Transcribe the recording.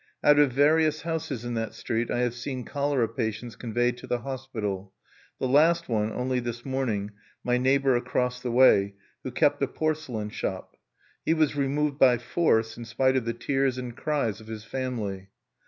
Out of various houses in that street I have seen cholera patients conveyed to the hospital, the last one (only this morning) my neighbor across the way, who kept a porcelain shop. He was removed by force, in spite of the tears and cries of his family.